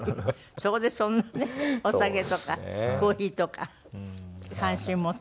そこでそんなねお酒とかコーヒーとか関心持って。